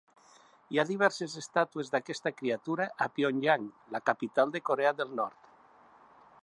Hi ha diverses estàtues d'aquesta criatura a Pyongyang, la capital de Corea del Nord.